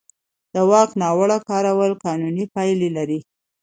د واک ناوړه کارول قانوني پایلې لري.